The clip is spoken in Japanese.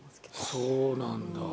そうなんだ。